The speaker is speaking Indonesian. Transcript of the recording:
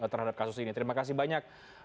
terhadap kasus ini terima kasih banyak